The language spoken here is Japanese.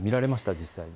実際。